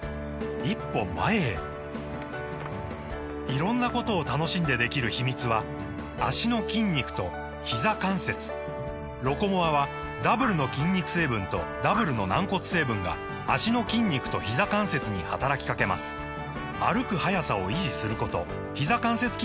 色んなことを楽しんでできる秘密は脚の筋肉とひざ関節「ロコモア」はダブルの筋肉成分とダブルの軟骨成分が脚の筋肉とひざ関節に働きかけます歩く速さを維持することひざ関節機能を維持することが報告されています